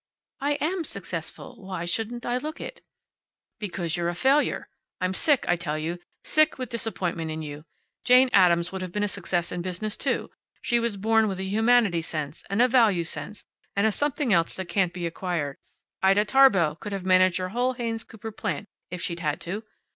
"I am successful. Why shouldn't I look it?" "Because you're a failure. I'm sick, I tell you sick with disappointment in you. Jane Addams would have been a success in business, too. She was born with a humanity sense, and a value sense, and a something else that can't be acquired. Ida Tarbell could have managed your whole Haynes Cooper plant, if she'd had to.